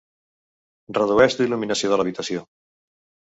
Redueix la il·luminació de l'habituació.